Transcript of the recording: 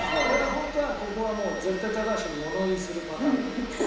本当はここはもう絶対高橋に物言いするパターンなのよ。